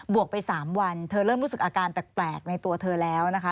วกไป๓วันเธอเริ่มรู้สึกอาการแปลกในตัวเธอแล้วนะคะ